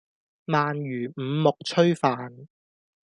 鰻魚五目炊飯